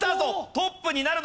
トップになるのか？